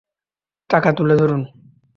চাকা তুলে ধরুন।